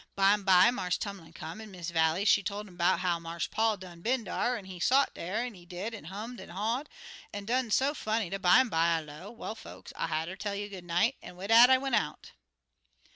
Bimeby, Marse Tumlin come, an' Miss Vallie, she tol' 'm 'bout how Marse Paul done been dar; an' he sot dar, he did, an' hummed an' haw'd, an' done so funny dat, bimeby, I low, 'Well, folks, I'll hatter tell you good night,' an' wid dat I went out."